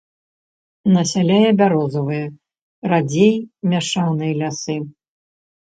Насяляе бярозавыя, радзей мяшаныя лясы.